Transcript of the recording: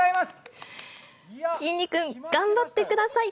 きんに君、頑張ってください。